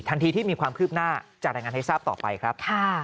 ที่มีความคืบหน้าจะรายงานให้ทราบต่อไปครับ